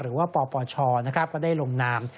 หรือว่าปปชนะครับก็ได้ลงนาม